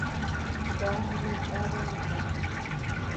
Kaa ama yáda ñëʼe.